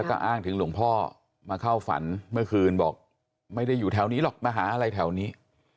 แล้วก็อ้างถึงหลวงพ่อมาเข้าฝันเมื่อคืนบอกไม่ได้อยู่แถวนี้หรอกมาหาอะไรแถวนี้